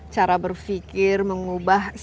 saya tidak bisa mengubah